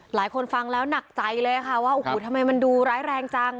หลายคนฟังแล้วหนักใจเลยค่ะว่าโอ้โหทำไมมันดูร้ายแรงจัง